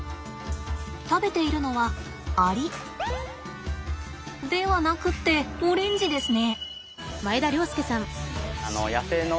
食べているのはアリではなくってオレンジですね。